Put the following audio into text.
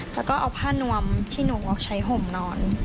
แล้วก็เอาผ้านวมที่หนูออกใช้ห่มนอน